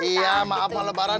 iya maaf pak lebaran